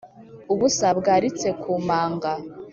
ubusa bwaritse ku manga,